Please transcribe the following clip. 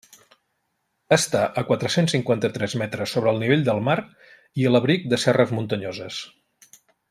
Està a quatre-cents cinquanta-tres metres sobre el nivell del mar i a l'abric de serres muntanyoses.